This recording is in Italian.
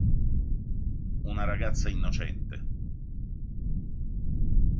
Una ragazza innocente